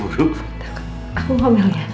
aku ngomel ya